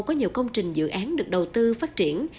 có nhiều công trình dự án được đầu tư phát triển